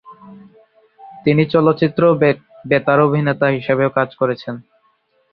তিনি চলচ্চিত্র ও বেতার অভিনেতা হিসেবেও কাজ করেছেন।